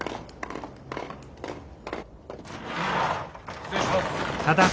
失礼します。